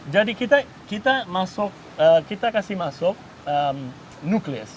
jadi kita kasih masuk nuklis